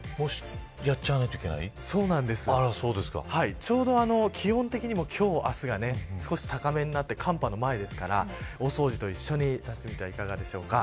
ちょうど気温的にも今日、明日が少し高めになっていますから寒波の前ですから大掃除と一緒に出してみてはいかがでしょうか。